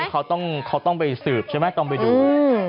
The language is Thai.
อะไรแบบนี้เขาต้องไปสืบใช่ไหมต้องไปดูนะฮะ